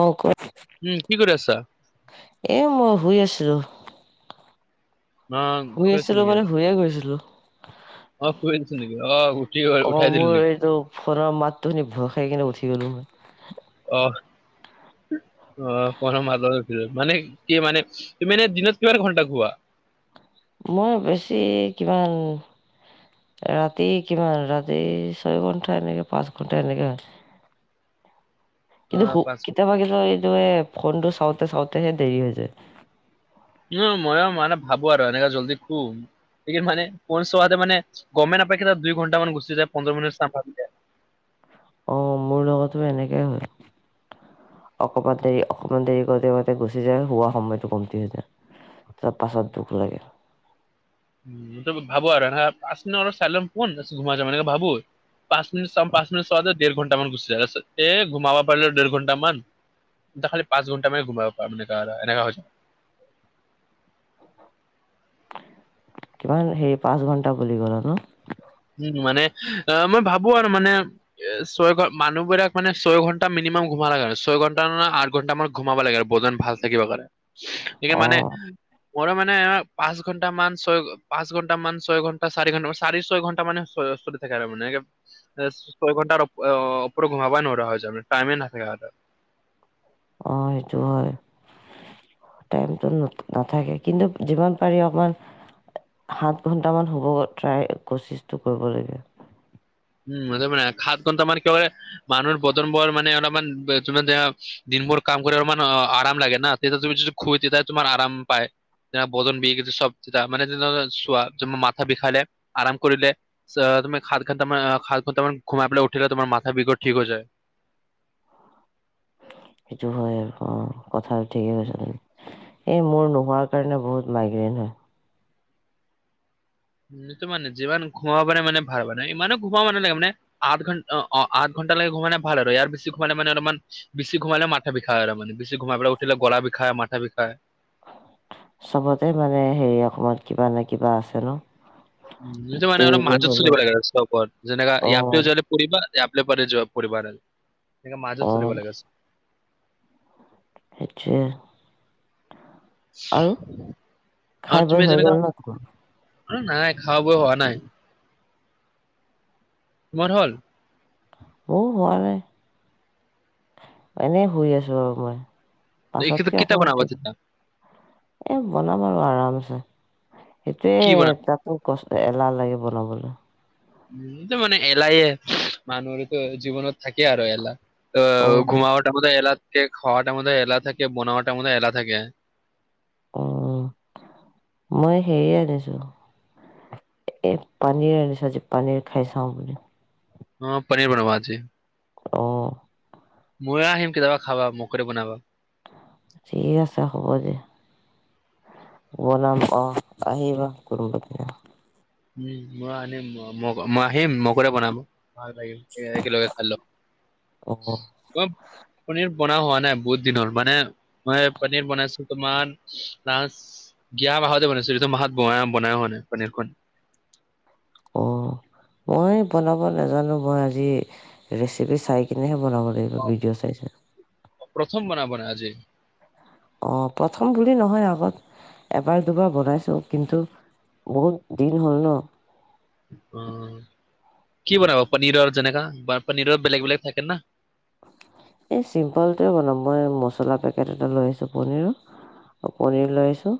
অঁ ক? উম কি কৰি আছা? এ মই শুই আছিলোঁ। অ শুই আছিল আছিলোঁ নেকি? মানে শুয়ে গৈছিলোঁ। অ শুয়ে গৈছিল নেকি? অ উঠি গ উঠাই দিলোঁ নেকি? খোৰৰ মাতটো শুনি, ভয় খাই কিনে উঠি গলোঁ ম অ, অ, [inaudible] মানে কি মানে তুমি এনে দিনত কিমান ঘণ্টা খোৱা? মই বেছি, কিমান ৰাতি কিমান ৰাতি, ছয় ঘন্টা, এনেকে পাঁচ ঘণ্টা, এনেকে হয়। অ কিন্তু খো, পাঁচ কেতিয়াবা- কেতিয়াবা এইটো ফোনটো চাওঁতে, চাওঁতেহে দেৰি হৈ যায়। উ, ময়ো মানে ভাবো আৰু, এনেকে জলদি সুম। ন, মানে ফোন চোৱাও মানে, গমে নিপায়, দুই ঘণ্টামান গুচি যায়, পোন্ধৰ মিনিটি চ অ, মোৰ লগতো এনেকেই হয়। অকমান, দেৰি অকমান দেৰি কৰোতে কৰোতে, গুচি যায় হোৱা সময়টো কমকে যায়। তাৰ পাছত, দুখ লাগে। উম, ভাবো আৰু, এ আছে ন, অলপ চাই ল, ফোন মাজে মাজে ভাবো। পাঁচ মিনিট চাম, পাঁচ মিনিট চোৱাতে দুই ঘণ্ট মান গুচি যায়, এ, ঘুমাব পাৰিল দেৰ ঘণ্টা মান [unintelligible] কিমান হে, পাঁচ ঘন্টা বুলি গ'লে নে উম, মানে অ, মই ভাবো আৰু মানে এ, ছয় ঘ, মানুহবিলাক মানে ছয় ঘণ্টা মিনিমাম ঘোমা লাগে, আৰু ছয় ঘণ্টা নে আঠ ঘণ্টা মান ঘোমাব লাগে আৰু বজন ভাল থাকিব পাৰে, কাৰণে সেইে অ মানে মোৰ মানে পাঁচ ঘন্টা মান, ছয় পাঁচ ঘন্টা মান, ছয় ঘন্টা চাৰি ঘ-চাৰি ছয় ঘ [inaudible] ছয় ঘণ্টাৰ ওপৰত ঘোমাবাই নোৱাৰোৱা হৈছো, টাইমে নাথাকা হৈছে। অ, সেইটো হয়। টাইমটো নাথাকে কিন্তু, যিমান পাৰি অকণমান সাত ঘন্টামান হুব, ট্ৰাই কচিছটো কৰিব লগে। উম, [inaudible] একে বাৰে মানুহৰ বতন বৰ মানে অলমান, তোমাৰ যে দিনবোৰ কাম কৰি অলমান আৰাম লাগে না, তে তুমি খুই দিলে, তোমাৰ আৰাম পায়। যে, বদন বিষ, চব যেয়া মান চোৱা যে মাথা বিষালে, আৰাম কৰিলে। তুমি সাত ঘণ্টা মান খ, মান ঘোমাই পেলাই উঠিলে তোমাৰ মথা বিঘ ঠিক হৈ যায়। সেইটো হয়, আৰু অ কথা ঠিকেই কৈছা তুমি। এই মোৰ নোহোৱাৰ কাৰণে বহুত মাইগ্ৰেইন হয়। যোনটো মানে যিমান খুৱা পানে মানে ভাল মানে ইমানো ঘোমাব ম, নোলাগে মানে আঠ ঘণ্টা অ, আঠ ঘণ্টা লকে ঘোমানাই ভাল আৰু ইয়, বেছি ঘোমানে মান অলপমান বেছি ঘোমালেও মথা বিষায় আৰু মানে বেছি ঘোমাই পেল উঠিলে, গ'লা বিষায়, মাথা বিষায়। চবতে মানে, হেৰি অকমান কিবা নে, কিবা আছে ন। যোনটো মানে অলপ দেৰিকে মাজত চলিব হ'লেও লাগে, আৰু চটপত যেনেকা ইয়িও অঁ অঁ [unintelligible] আচ্ছা। আৰু, আৰু খাই তুমি বৈ হৈ যেনেকা গ'ল ন। নাই, খোৱা বোৱা হোৱা নাই। [inaudible] অ, হোৱা নাই, এনে শুই আছো আৰু অকনমান। পাছত এইটো কে, কেতিয়া অকমান বনাবা উঠিম। তেতিয়া এ, বনাম আৰু আৰামছে, সেইটোয়ে কি বনাবা তাত ইমান কষ্ট এলাহ লাগিব লবলে। এইটো মানে এলাহে মানুহৰতো জীৱনত থাকে আৰু এলাহ। অ অঁ ঘুমাব টাইমতো এলাহ থাকে, খোৱা টাইমতো এলাহ থাকে, বনোৱা টাইমতো এলাহ থাকে। উম, মই হেৰিয়ে আনিছো। এ পনীৰ আনিছো আজি পনীৰ খাই চাওঁ বুলি। অ পনীৰ বনাম আজি। অ। ম‌ইয়ো আহিম কেতিয়াবা খাবা মোকে দি বনাবা। ঠিক আছে হ'ব দিয়া। বনাম অ আহিবা কোনোবা দিনা। উম মই আনিম ম মই আহিম মোৰ কাৰণে বনাব। ভাল লাগিল একে লগে খালেন। অঁ অ। কম পনীৰ বনোৱা হোৱা নাই বহুত দিন হ'ল। মানে মই পনীৰ বনাইছো তোমাৰ লাষ্ট - গিয়া মাহতে বনাইছো এইটো মাহত ব বনাৱাই হোৱা নাই পনীৰখন। অঁ মই বনাব নাজানো মই আজি ৰেচিপি চাই কিনেহে বনাব- লাগিব ভিডিঅ' চাই চাই। প্ৰথম বনাব মানে আজি? অ প্ৰথম বুলি নহয় আগত এবাৰ দুবাৰ বনাইছো কিন্তু - বহুত দিন হ'ল ন। উম কি বনাব পনীৰৰ যেনেকা পনীৰৰ বেলেগ বেলেগ থাকে না। এই চিম্পলটোৱে বনাম মই মছলা পেকেট এটা লৈ আছোঁ পনীৰৰ। আৰু পনিৰ লৈ আছোঁ।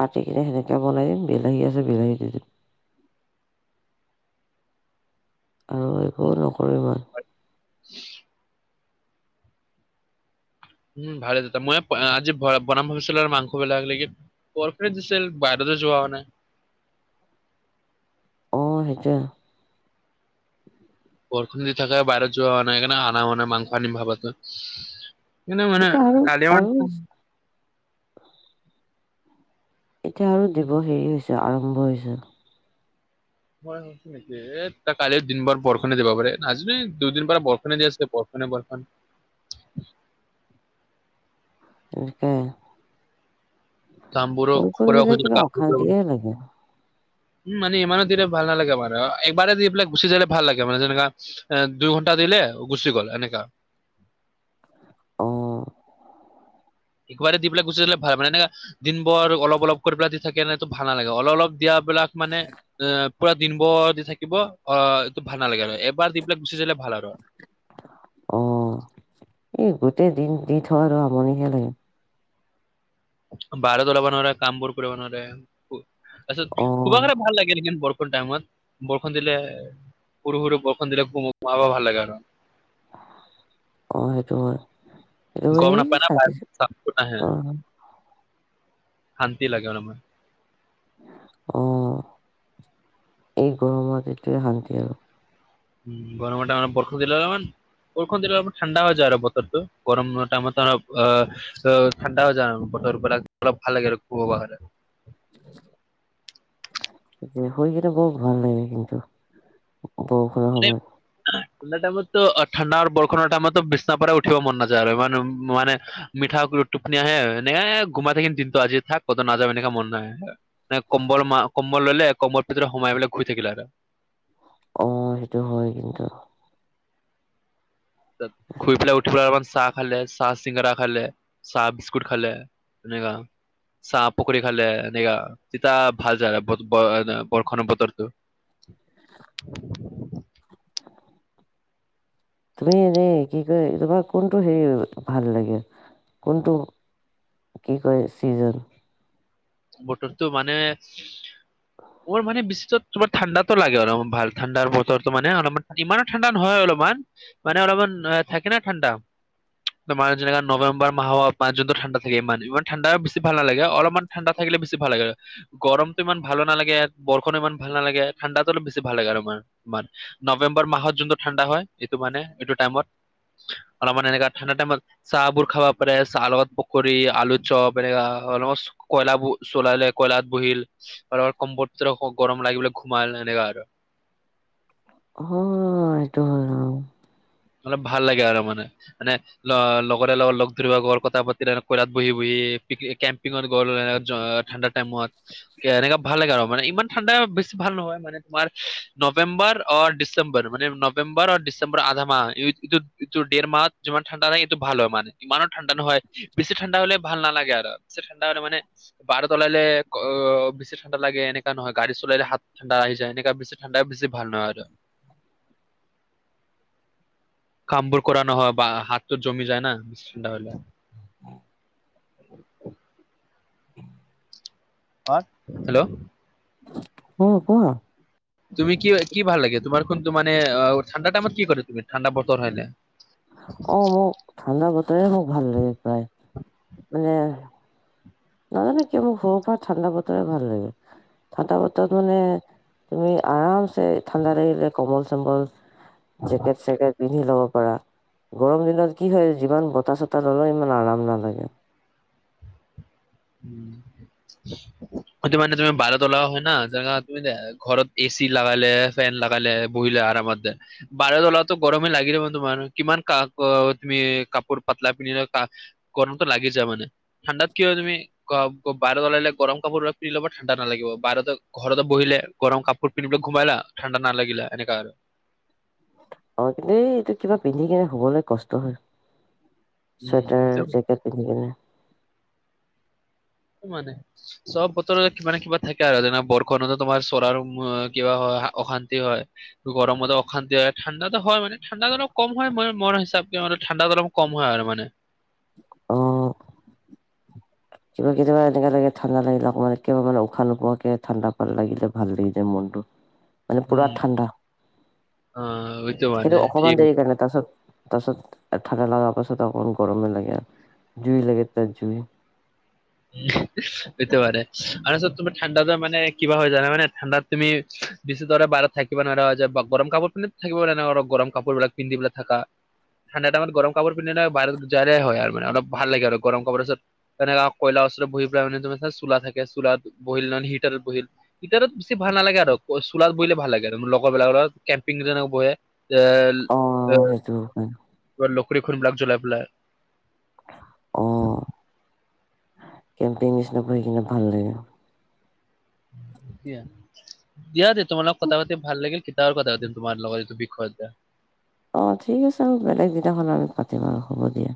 কাটি কিনে সেনেকে বনাই দিম বিলাহী আছে বিলাহী দি দিম। আৰু একো নকৰোঁ ইমান। উম' ভালে দিয়া। মই আজি বনাম ভাবিছিলোঁ আৰু মাংস বিলাক লেগি - কৰ্পৰেট দিছিল বাহিৰতে যোৱা হোৱা নাই। অ' সেইটো। বৰষুণ দি থাকে বাহিৰত যোৱা হোৱা নাই সেইকাৰণে আনা হোৱা নাই মাংস আনিম ভাব আছিল। এনেই মানে এতিয়া আৰু [unintelligible] আৰু এতিয়া আৰু দিব হেৰি হৈছে আৰম্ভ হৈছে আও। মই ভাবিছো নেকি? এ ত কালি দিন বাৰ বৰষুণে দিব পাৰে, আজি দুইদিন পৰা বৰষুণে দি আছে বৰষুণে বৰষুণ। তাকে, কামবোৰো বৰষূণ কৰিব দিলে খুজিলো কিবা কামবোৰ কৰিব অশান্তিয়ে লাগে। উম মানে ইমানো দিলে ভাল নালাগে মানে, একবাৰে দিপেলাই গুচি যালে ভাল লাগে মানে যেনেকা - দুই ঘণ্টা দিলে গুচি গ'ল এনেকা। অ। ' একবাৰে দি পেলাই গুচি গলে ভাল মানে। এনেকে দিনভৰ অলপ অলপ কৰি পেলাই দি থাকিলে টো ভাল নালাগে অলপ অলপ - দিয়া বিলাক মানে এ- পুৰা দিন ভৰ দি থাকিব, অ এইটো ভাল নালাগে আৰু, এবাৰ দি পেলাই গুচি যালে ভাল আৰু। অ এই গোটেই দিন দি থকাতো আমনিহে লাগে। বাহিৰত ওলাব নোৱাৰে কাম বোৰ কৰিব নোৱাৰে। শু তাৰ অ পিছত শুব কাৰণে ভাল লাগে লেকিন বৰষুণ টাইমত। বৰষুণ দিলে, সৰু সৰু বৰষুণ দিলে ঘুমাবা ভাল লাগে আৰু। অ' সেইটো হয়। এইটো গম এই নাপায় ন ছাতি [unintelligible] নাহে, অ শান্তি লাগে মানে মন। অঁ, এই গৰমত এইটোৱে শান্তি আৰু। গৰম টাইমত বৰষুণ দিলে অলপমান বৰষুণ দিলে অলপ ঠাণ্ডা হৈ যায় আৰু বতৰটো গৰমৰ টাইমত আহ অ' ঠাণ্ডা হৈ যাই বতৰ পুৰা অলপ ভাল লাগে আৰু শুব কাৰণে। শুই কিনে বৰ ভাল লাগে কিন্তু, বৰ ছেম। ঠাণ্ডা টাইমতো ঠাণ্ডা আৰু বৰষুণৰ টাইমতটো বিচনা পৰে উঠিব মন নাযায় আৰু মানে মিঠা টোপনি আহে। এনেকে ঘোমাই থাকিম দিনটো আজি থাক কতো নাযাম এনেকা মন নাহে। ন কম্বল কম্বল ললে কম্বলৰ ভিতৰত সোমাই মেলি শুই থাকিলে আৰু। অঁ, সেইটো হয় কিন্তু। শুই পেলাই উঠি পেলাই একাপ চাহ খালে, চাহ চিংগৰা খালে, চাহ বিস্কুট খালে এনেকুৱা। চাহ পকৰি খালে এনেকুৱা। তেতিয়া ভাল যাই বৰষুণৰ বতৰটো। [inaudible] তুমি এনেই কি কয় তোমাৰ কোনটো হেৰি ভাল লাগে? কোনটো কি কয় চিজন? বতৰটো মানে, মোৰ মানে বিশেষকে তোমাৰ ঠাণ্ডাতো লাগে, অলপ ভাল ঠাণ্ডাৰ বতৰটো মানে অলপমান ইমান ঠাণ্ডা নহয় অলপমান। মানে অলপমান থাকে ন ঠাণ্ডা। তোমাৰ যেনেকা নৱেম্বৰ মাহৰ মাজতে ঠাণ্ডা থাকে ইমান, ইমান ঠাণ্ডা বেছি ভাল নালাগে, অলপমান ঠাণ্ডা থাকিলে বেছি ভাল লাগে। গৰমটো ইমান ভালো নালাগে, বৰষুণো ইমান ভাল নালাগে। ঠাণ্ডাতো অলপ বেছি ভাল লাগে আৰু অলপমান। নৱেম্বৰ মাহত যোনটো ঠাণ্ডা হয়, এইটো মানে এইটো টাইমত অলপমান এনেকা ঠাণ্ডা টাইমত, চাহ বোৰ খাব পাৰে, চাহ লগত পকৰী আলু চপ এনেকুৱা। অলপ কয়লা বোৰ জলালে কয়লাত বহিল কম্ফৰ্ত ধৰ গৰম লাগিব ঘোমাল এনেকা আৰু। হ'। অ' এইটো হয় অঁ। অলপ ভাল লাগে আৰু মানে, মানে লগৰে লগত লগ ধৰিব গল কথা পাতি কয়লাত বহি বহি কেম্পিঙত গ'ল ঠাণ্ডা টাইমত। এনেকা ভাল লাগে আৰু মানে ইমান ঠাণ্ডা বেছি ভাল নহয়, মানে তোমাৰ নৱেম্বৰ আৰু ডিচে ম্বৰ মানে নৱেম্বৰ আৰু ডিচেম্বৰ আধা মাহ হয়। এইটো, এইটো ডেৰ মাহ যিমান ঠাণ্ডা নাই এইটো ভাল হয় মানে। ইমানো ঠাণ্ডা নহয় বেছি ঠাণ্ডা হ'লে ভাল নালাগে আৰু বেছি ঠাণ্ডা হলে মানে বাহিৰত ওলালে অ', বেছি ঠাণ্ডা লাগে এনেকা নহয় গাড়ী চলালে হাত ঠাণ্ডা আহি যায়, এনেকােৱা ঠাণ্ডা বেছি ভাল নহয় আৰু। কামবোৰ কৰা নহয় বা হাতটো জমি যায় না ঠাণ্ডা হলে। অ' হেল্ল'! অঁ, কোৱা? তুমি কি কি ভাল লাগে, তোমাৰ কোনটো মানে ঠাণ্ডা টাইমত কি কৰে তুমি ঠাণ্ডা বতৰ হলে? অঁ অঁ, ঠাণ্ডা বতৰে মোক ভাল লাগে প্ৰায়। মানে নাজানো কিয় মোৰ সৰুৰ পৰা ঠাণ্ডা বতৰে ভাল লাগে। ঠাণ্ডা বতৰত মানে তুমি আৰামছে ঠাণ্ডা লাগিলে কমল চম্বল জেকেট-চেকেট পিন্ধি লব পাৰা, গৰম দিনত কি হয় যিমান বতাহ চতাহ ললে ইমান আৰাম নালাগে। উম। হয়টো মানে তুমি বাৰত লা হয় ন, তুমি দে ঘৰত এ চি লাগালে ফেন লগালে [unintelligible] দে বাৰত ওলালেও গৰমে লাগিল হয়, তোমাৰ কিমান ক তুমি কাপোৰ পাতলা পিন্ধিল গৰমটো লাগি যা মানে, ঠাণ্ডাত কি হয় তুমি বাৰত উলিয়ালে গৰম কাপোৰ পিন্ধি ল'ব ঠাণ্ডা নালাগিব বাৰ ঘৰতে বহিলে গৰম কাপোৰ পিন্ধিবিলাক ঘুমাই লা ঠাণ্ডা নালাগিলা এনেকা আৰু অ', কিন্তু এই এইটো কিবা পিন্ধি কিনে সোবলৈ কষ্ট হয় চুৱেটাৰ, উম জেকেট [unintelligible] মানে, চব বতৰত কিবা নে কিবা থাকে আৰু যেনে বৰষণতো তোমাৰ চৰাৰ কিবা হয় অশান্তি হয়। গৰমতে অশান্তি হয় ঠাণ্ডাটো হয় মানে ঠাণ্ডা অলপ কম হয় মন [unintelligible] মানে ঠাণ্ডাটো অলপ কম হয় আৰু মানে। অ', কিবা কেতিয়াবা এনেকে লাগে ঠাণ্ডা লাগিলে, অকমান মানে উশাহ নোপোৱাকে ঠাণ্ডা লাগিলে ভাল লাগি যায় মনটো। [inaudible] মানে পুৰা ঠাণ্ডা অ বুইছো মানে সেইটো ঠিক অকমান দেৰি কাৰণে তাৰপিছত তাৰ পিছত ঠাণ্ডা লগাৰ পাছত অকন গৰমে লাগে, আৰু জুই লাগে তাৰ জুই উম, সেইটোমানে তাৰপিছত তোমাৰ ঠাণ্ডা মানে কিবা হয় জানে মানে ঠাণ্ডাত তুমি বেছি দৰে বাহিৰত থাকিব নোৱাৰা যে বা গৰম কাপোৰ পিন্ধি থাকিব না গৰম কাপোৰ বিলাক পিন্ধিপেলাই থাকা। ঠাণ্ডাটাইমত গৰম কাপোৰ পিন্ধিলে [unintelligible] হয়, আৰু মানে অলপ ভাল লাগে আৰু গৰম কাপোৰৰ পিছত তেনেকা কয়লা ওচৰত বহি পেলাই মানে তোমাৰ চোলা থাকে চোলাত বহি নহয় হিটাৰত বহি হিতাৰত বেছি ভাল নালাগে আৰু চোলাত বহিলে ভাল লাগে আৰু লগৰবিলাকৰ লগ কেম্পিং [unintelligible] যেনে বহে। [unintelligible] অ', সেইটো হয়। [unintelligible] উম, কেম্পিং নিচিনা পঢ়ি কিনে ভাল লাগে। [unintelligible] দিয়া দে তোমাৰ লগত কথা পাতি ভাল লাগিল, কেতিয়াবা কথা পাতিম তোমাৰ লগত এইটো বিষয়ত। অ', ঠিক আছে ম বেলেগ দিনাখন আমি পাতিম আৰু হ'ব দিয়া।